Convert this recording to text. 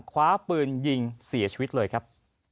คว้าปืนยิงเสียชีวิตเลยครับ